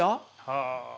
はあ。